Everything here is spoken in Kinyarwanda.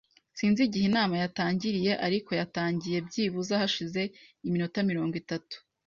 Sinzi igihe inama yatangiriye, ariko yatangiye byibuze hashize iminota mirongo itatu.